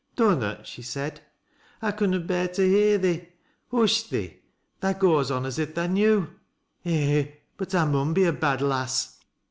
"Dnnnot," she said. "I conna bear to hear thee Hush, thee ! tha goes on a? if tha knew. Eh ! but I muo be a bad lass.